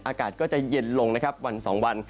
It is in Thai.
อากาศก็จะเย็นลงวัน๒วัน